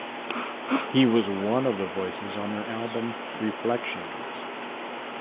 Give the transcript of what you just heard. He was one of the voices on their album, "Reflections".